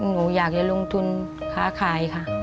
หนูอยากจะลงทุนค้าขายค่ะ